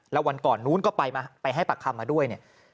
แล้ววันก่อนนู้นก็ไปให้ปากคำมาด้วยเนี่ย